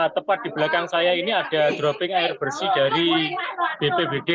tepat di belakang saya ini ada dropping air bersih dari bpbd